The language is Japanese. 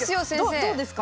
どうですか？